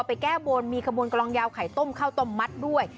ไปแก้บนมีกระบวนกำลองยาวไข่ต้มเข้าต้มมัดด้วย